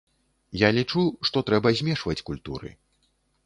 Я лічу, што трэба змешваць культуры.